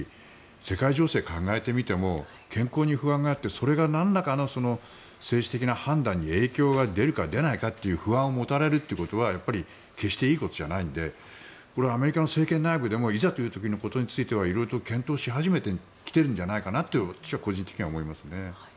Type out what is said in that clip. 世界情勢を考えてみても健康に不安があってそれがなんらかの政治的な判断に影響が出るか出ないかって不安を持たれるということは決していいことじゃないのでアメリカの政権内部でもいざということについては検討し始めているのではと私個人的には思いますね。